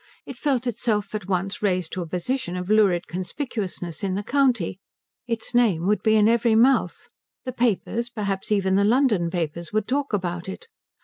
It felt itself at once raised to a position of lurid conspicuousness in the county, its name would be in every mouth, the papers, perhaps even the London papers, would talk about it.